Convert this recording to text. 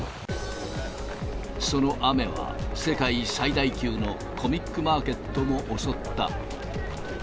その雨は、世界最大級のコミックマーケットも襲った。